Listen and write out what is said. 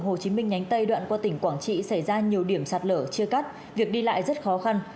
hồ chí minh nhánh tây đoạn qua tỉnh quảng trị xảy ra nhiều điểm sạt lở chia cắt việc đi lại rất khó khăn